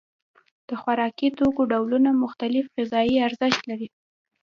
د خوراکي توکو ډولونه مختلف غذایي ارزښت لري.